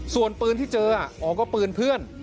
ส่วนปืนที่เจออ๋อก็ปืนเพื่อน